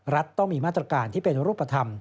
รัฐต้องมีมาตรการที่เป็นรูปธรรม